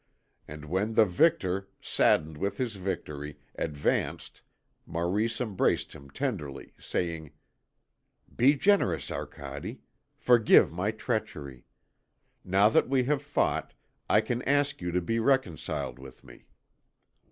And when the victor, saddened with his victory, advanced, Maurice embraced him tenderly, saying: "Be generous, Arcade; forgive my treachery. Now that we have fought, I can ask you to be reconciled with me."